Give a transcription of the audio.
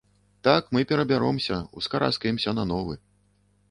Так, мы перабяромся, ускараскаемся на новы.